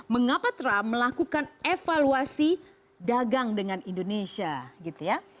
mengapa trump melakukan evaluasi dagang dengan indonesia gitu ya